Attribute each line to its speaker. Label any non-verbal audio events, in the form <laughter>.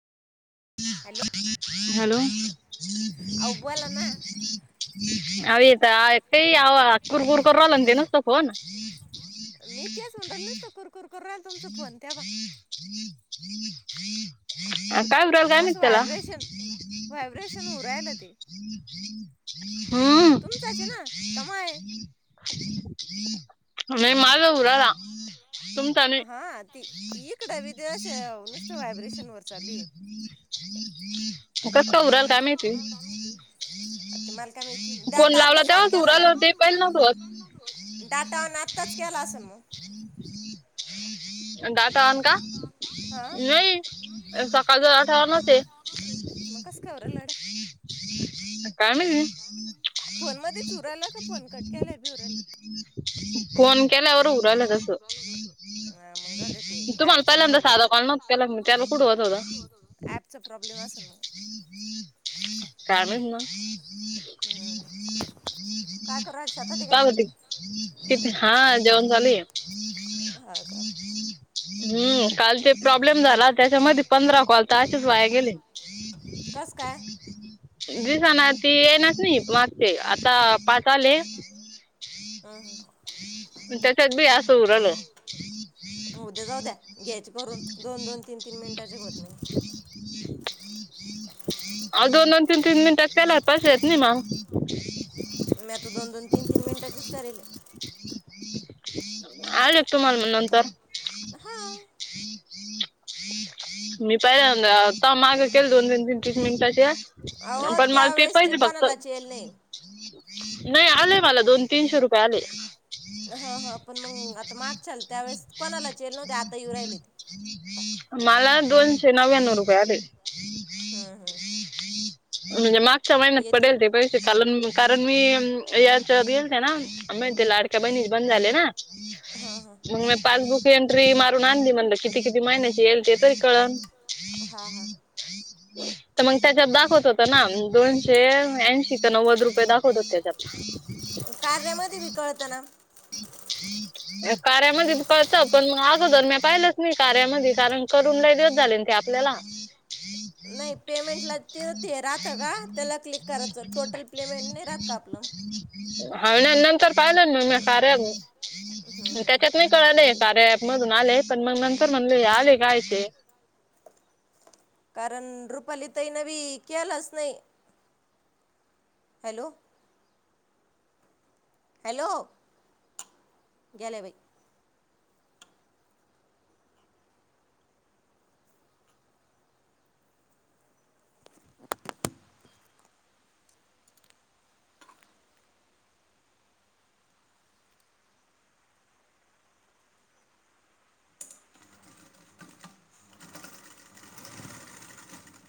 Speaker 1: Hello
Speaker 2: hello
Speaker 1: अहो बोला ना
Speaker 2: अ येत एक कुर कुरकर राला त नसत फोन <unintelligible>
Speaker 1: मी तेच म्हणू राहिले नुसतं का कुरकुर करू राहिले तुमचां फोन त्या बाबा
Speaker 2: तन तनन
Speaker 1: जसं व्हायब्रेशन व्हायब्रेशन होहु राहिले ते
Speaker 2: हम्म हम्म
Speaker 1: तुमचाच आहे ना का माय
Speaker 2: नाही माझा होहु राहिला तुमचा नाही.
Speaker 1: ी इकडे विदेश होऊ नसतो व्हायब्रेशन वरचाली <unintelligible>
Speaker 2: कसं उराल काय माहिती
Speaker 1: आ ते मला काय माहिती
Speaker 2: फोन
Speaker 1: डाटा
Speaker 2: लावला
Speaker 1: आताच ओन
Speaker 2: तेव्हाच
Speaker 1: केला काय
Speaker 2: उराल ते पहिलं नव्हतं होत
Speaker 1: डाटा ऑन आताच केला असेल मग
Speaker 2: हम्म हम्म डाटा ऑन का
Speaker 1: हा
Speaker 2: नाही सकाळच डाटा ऑनच आहे.
Speaker 1: मग कसं काय उरायला गड्या
Speaker 2: काय माहिती
Speaker 1: फोन मध्येच होऊ राहिला का फोन कट केल्यावर बी होऊ राहिले
Speaker 2: न फोन केल्यावर हु राहिल तसं
Speaker 1: हा मग जाऊ दे ते
Speaker 2: तुम्हाला
Speaker 1: ऍपचा
Speaker 2: पहिल्यांदा
Speaker 1: प्रॉब्लेम
Speaker 2: साधा कॉल नव्हता केला मी त्याला कुठं होत होता
Speaker 1: ॲपचा प्रॉब्लेम असेल मग
Speaker 2: काय माहित मग
Speaker 1: हम्म काय करू राज शेतात आहे काय?
Speaker 2: हा जेवण चालू आहे.
Speaker 1: हा का?
Speaker 2: हम्म काल ते प्रॉब्लेम झाला त्याच्यामध्ये पंधरा कॉल तर असेच वाया गेले.
Speaker 1: कस काय?
Speaker 2: दिसना ते येणाच ते नाही मागचे आता पाच आले.
Speaker 1: हम्म
Speaker 2: त्याच्यात बी असं होहु राहिलं.
Speaker 1: उद्या जाऊ द्या घ्यायचे करून दोन दोन तीन तीन मिनटाचे होत नाही.
Speaker 2: आहो दोन दोन तीन तीन मिनटाचे केल्यावर पैसे येत नाहीत मग <inaudible>
Speaker 1: मी आता दोन दोन तीन तीन मिनटाचे करे.
Speaker 2: आले तुम्हाला मग नंतर
Speaker 1: हा
Speaker 2: मी पहिल्यांदा माग केलं दोन तीन तीन तीस मिनिटाचे
Speaker 1: अहो
Speaker 2: पण मला ते
Speaker 1: त्यावेेळेसचे
Speaker 2: पाहिजे फक्त
Speaker 1: कोणालाच येल नाही.
Speaker 2: नाही आलेय मला दोन तीनशे रुपये आले.
Speaker 1: हा हा पण मग आता मागचाल त्यावेेळेस कोणाला यालेच नव्हते आता येऊ राहिले ते
Speaker 2: मला दोनशे नव्याणव रुपये आले.
Speaker 1: हम्म हम्म हम्म
Speaker 2: म्हणजे मागच्या महिन्यात पडेल ते पैसे कारण कारण मी याच्या गेल ते ना लाडक्या बहिणीचे बंद झाले ना
Speaker 1: हा हा
Speaker 2: मग मी पासबुक एंट्री मारून आणली म्हणलं किती, किती मायनस येईल ते तरी कळन.
Speaker 1: हा हा
Speaker 2: तर मग त्याच्यात दाखवत होत. तिथं ना, दोनशे ऐंशी तर नव्वद रुपये दाखवत होते त्यात.
Speaker 1: कार्यामध्ये बी कळतं ना?
Speaker 2: <unintelligible> कार्यामध्ये बी कळतं, पण मग अगोदर म्या पाहिलंच नाही कार्यामध्ये कारण करून लई दिवस झाले न ते आपल्याला.
Speaker 1: <unintelligible> नाही पेमेंटला ते, ते राहत का, त्याला क्लिक करायचं टोटल प्लेमेन्ट नाही राहत का आपलं?
Speaker 2: <unintelligible> कळले, कार्या अँप मधून आलय, पण मग नंतर म्हणले आले काय ते.
Speaker 1: कारण रुपाली ताई न बी केलाच नाही. हॅलो. हॅलो, गेल्या बाई.